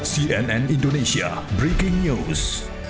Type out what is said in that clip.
cnn indonesia breaking news